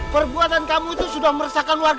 perbuatan kamu itu sudah meresahkan warga